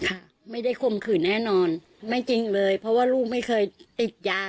ค่ะไม่ได้ข่มขืนแน่นอนไม่จริงเลยเพราะว่าลูกไม่เคยติดยา